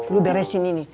lu beresin ini